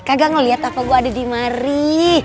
kagak ngeliat apa gue ada di mari